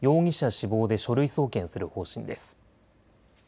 死亡で書類送検する方針です。